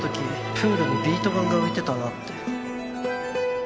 プールにビート板が浮いてたなって